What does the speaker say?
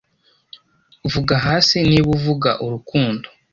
vuga hasi, niba uvuga urukundo.